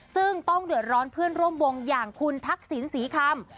ซึ่งต้องเดือดร้อนเพื่อนร่วมวงอย่างคุณทักษิณศรีคำ